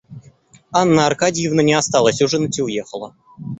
Анна Аркадьевна не осталась ужинать и уехала.